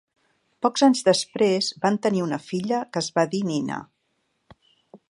Pocs anys després, van tenir una filla que es va dir Nina.